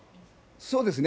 そうですね。